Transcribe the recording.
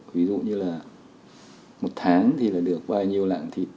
ví dụ như là một tháng thì là được bao nhiêu lạng thịt